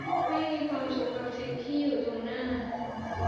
ไม่มีความสุขกับสิ่งที่อยู่ตรงหน้า